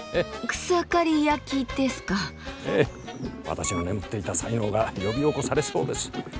私の眠っていた才能が呼び起こされそうです。